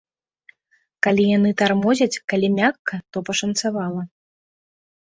Калі яны тармозяць, калі мякка, то пашанцавала.